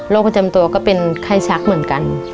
ประจำตัวก็เป็นไข้ชักเหมือนกัน